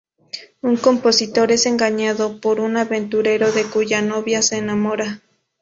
Un compositor es engañado por un aventurero de cuya novia se enamora.